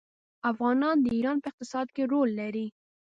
افغانان د ایران په اقتصاد کې رول لري.